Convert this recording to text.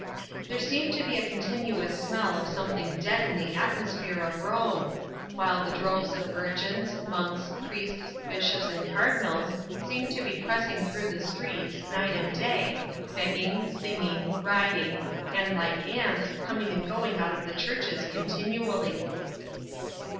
There seemed to be a continuous smell of something dead in the atmosphere of Rome, while the droves of virgins, monks, priests, bishops and cardinals seemed to be pressing through the streets, night and day, begging, singing, riding, and like ants, coming and going out of the churches continually.